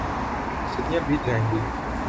صدیاں بیت جائیں گی۔